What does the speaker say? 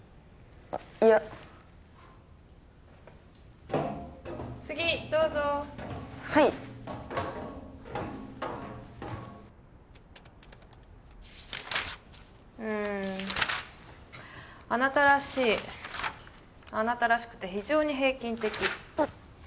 あっいや次どうぞはいうんあなたらしいあなたらしくて非常に平均的うっ